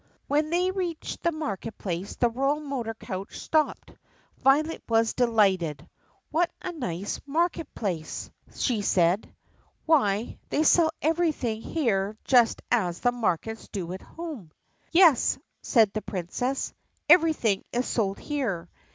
When they reached the market place the royal motor coach stopped. Violet was delighted. "What a nice market 53 THE PUSSYCAT PRINCESS 54 place!" she said. "Why, they sell everything here just as the markets do at home!" "Yes," said the Princess, "everything is sold here.